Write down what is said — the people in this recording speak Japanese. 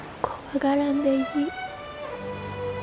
怖がらんでいい。